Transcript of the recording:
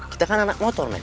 kita kan anak motor mas